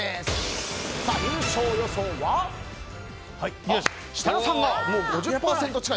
優勝予想は設楽さんが５０％近い。